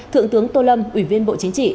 thượng tướng tô lâm ủy viên bộ chính trị